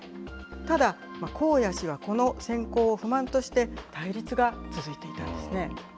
ただ、公也氏はこの選考を不満として、対立が続いていたんですね。